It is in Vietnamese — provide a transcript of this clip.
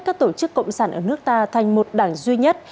các tổ chức cộng sản ở nước ta thành một đảng duy nhất